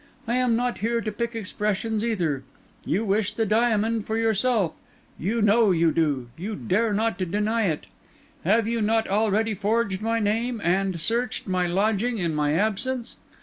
I am not here to pick expressions either; you wish the diamond for yourself; you know you do—you dare not deny it. Have you not already forged my name, and searched my lodging in my absence?